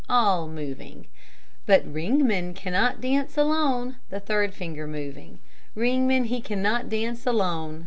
(all moving But Ringman cannot dance alone, (the third finger moving Ringman, he cannot dance alone.